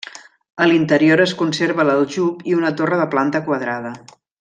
A l'interior es conserva l'aljub i una torre de planta quadrada.